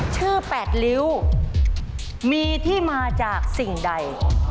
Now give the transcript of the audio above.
ชื่อแปดลิ้วมีที่มาจากสิ่งใด